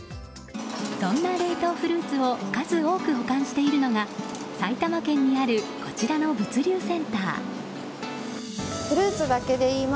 そんな冷凍フルーツを数多く保管しているのが埼玉県にあるこちらの物流センター。